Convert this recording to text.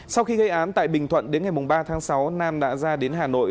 sau khi gây án tại bình thuận đến ngày ba tháng sáu nam đã ra đến hà nội